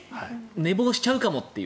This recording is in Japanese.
寝坊しちゃうかもって。